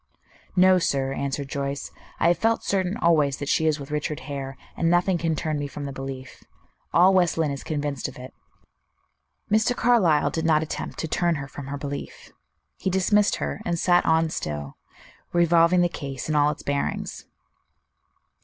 "No, sir," answered Joyce; "I have felt certain always that she is with Richard Hare, and nothing can turn me from the belief. All West Lynne is convinced of it." Mr. Carlyle did not attempt to "turn her from her belief." He dismissed her, and sat on still, revolving the case in all its bearings.